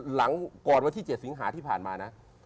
หลังก่อนวันที่๗สิงหาที่ผ่านมานะ